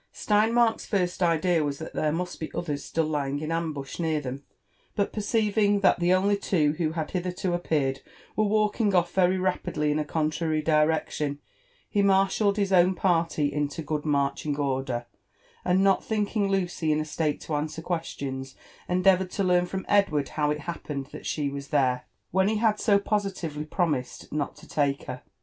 Sleinmark's first idea was that there must be others still lying in ambush near (hem ; but perceiving that the only two who had hitherto appeared were walking off very rapidly in a contrary direction, he marshalled his own party into good marching order, and not thinking Lucy in a state to answer questions, endeavoured to learn from Edward how it happened that she was there, when he had so positively pro mised not to take her.